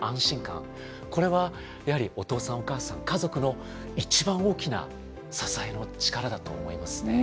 これはやはりお父さんお母さん家族の一番大きな支えの力だと思いますね。